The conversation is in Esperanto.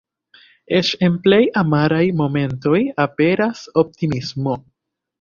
Eĉ en plej amaraj momentoj aperas optimismo.